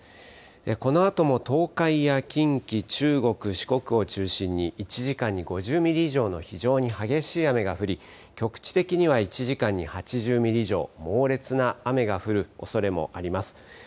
このあとも東海や近畿、中国、四国を中心に１時間に５０ミリ以上の非常に激しい雨が降り、局地的には１時間に８０ミリ以上、猛烈な雨が降るおそれもあります。